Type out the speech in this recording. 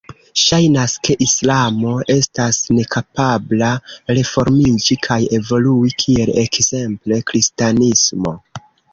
Ŝajnas, ke islamo estas nekapabla reformiĝi kaj evolui kiel ekzemple kristanismo.